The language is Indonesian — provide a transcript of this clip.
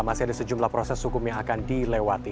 masih ada sejumlah proses hukum yang akan dilewati